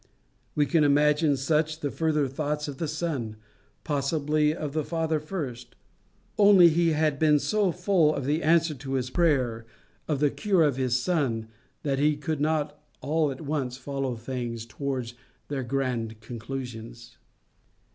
We can imagine such the further thoughts of the son possibly of the father first only he had been so full of the answer to his prayer, of the cure of his son, that he could not all at once follow things towards their grand conclusions.